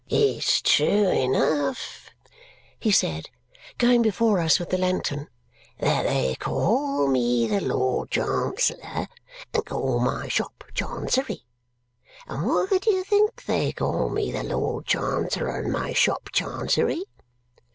"It's true enough," he said, going before us with the lantern, "that they call me the Lord Chancellor and call my shop Chancery. And why do you think they call me the Lord Chancellor and my shop Chancery?"